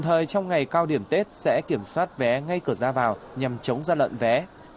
thời trong ngày cao điểm tết sẽ kiểm soát vé ngay cửa ra vào nhằm chống ra lận vé